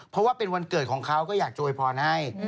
เพราะว่าเป็นวันเกิดของเขาก็อยากโวยพรให้